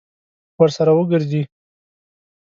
ورسره وګرځي.